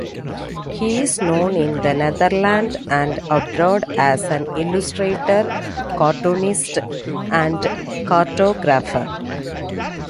He is known in The Netherlands and abroad as an illustrator, cartoonist and cartographer.